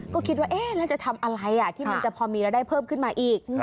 ก็คิดว่าเอ๊ะแล้วจะทำอะไรที่มันจะพอมีรายได้เพิ่มขึ้นมาอีก